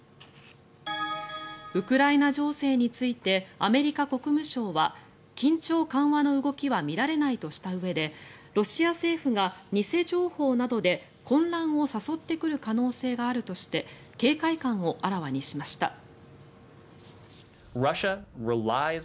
ウクライナ情勢についてアメリカ国務省は緊張緩和の動きが見られないとしたうえでロシア政府が偽情報などで混乱を誘ってくる可能性があるとして警戒感をあらわにしました。